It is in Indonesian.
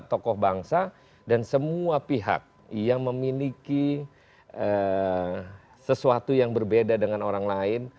tokoh bangsa dan semua pihak yang memiliki sesuatu yang berbeda dengan orang lain